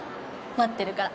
待ってるから。